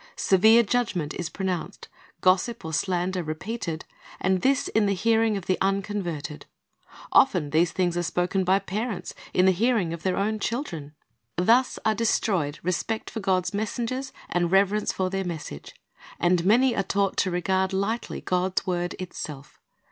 Severe judgment is pronounced, gossip or slander repeated, and this in the hearing of the unconverted. Often these things are spoken by parents in the hearing of their own children. they ivithcrcd aivay.'" 46 C liri s t' s bj c c t Lessons Thus are destroyed respect for God's messengers, and reverence for their message. And many are taught to regard hghtly God's word itself.